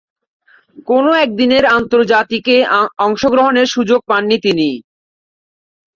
কোন একদিনের আন্তর্জাতিকে অংশগ্রহণের সুযোগ পাননি তিনি।